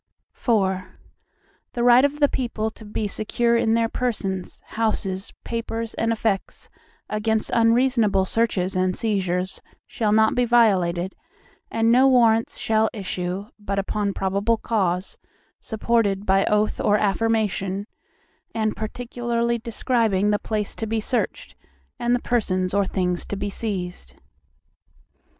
IV The right of the people to be secure in their persons, houses, papers, and effects, against unreasonable searches and seizures, shall not be violated, and no Warrants shall issue, but upon probable cause, supported by oath or affirmation, and particularly describing the place to be searched, and the persons or things to be seized.